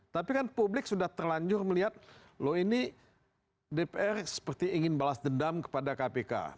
tapi kan publik sudah terlanjur melihat loh ini dpr seperti ingin balas dendam kepada kpk